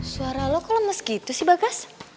suara lo kok lemes gitu sih bagas